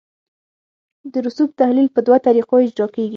د رسوب تحلیل په دوه طریقو اجرا کیږي